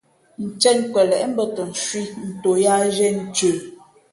Ncēn kwelěʼ mbᾱ tα ncwī nto yāā zhīē ncə.